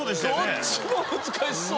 どっちも難しそう！